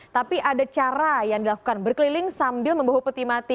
tapi ada cara yang dilakukan berkeliling sambil membawa peti mati